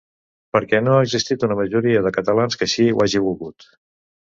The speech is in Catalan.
Perquè no ha existit una majoria de catalans que així ho hagi volgut.